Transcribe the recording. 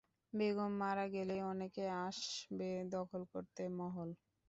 বেগম মারা গেলেই, অনেকেই আসবে দখল করতে মহল।